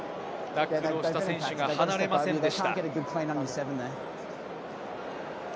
タックルをした選手が離れませんでした。